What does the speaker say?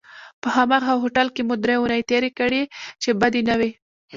په هماغه هوټل کې مو درې اونۍ تېرې کړې چې بدې نه وې.